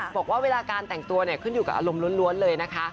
บอกว่าเวลาการแต่งตัวขึ้นอยู่กับอารมณ์ล้วนเลยนะคะ